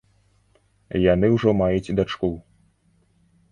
Яны ўжо маюць дачку.